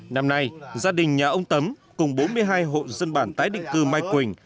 năm nay gia đình nhà ông tấm cùng bốn mươi hai hộ dân bản tái định cư mai quỳnh